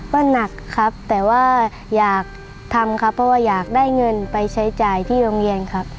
ก็หนักครับแต่ว่าอยากทำครับเพราะว่าอยากได้เงินไปใช้จ่ายที่โรงเรียนครับ